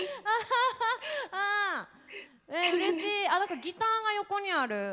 何かギターが横にある。